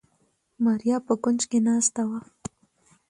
ماريا په کونج کې ناسته وه.